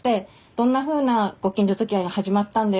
どんなふうなご近所づきあいが始まったんだよ